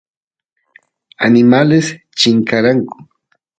animales chinkaranku